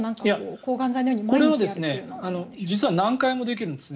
これは実は何回もできるんですね。